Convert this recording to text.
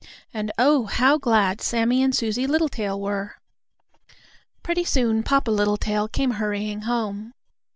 And, oh, how glad Sammie and Susie Littletail were! Pretty soon Papa Littletail came hurrying home.